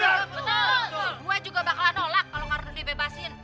gue juga bakal nolak kalau cardun dibebasin